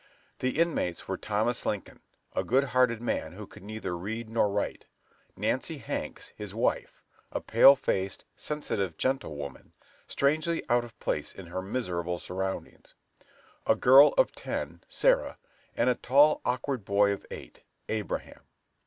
The inmates were Thomas Lincoln, a good hearted man who could neither read nor write; Nancy Hanks, his wife, a pale faced, sensitive, gentle woman, strangely out of place in her miserable surroundings; a girl of ten, Sarah; and a tall, awkward boy of eight, Abraham.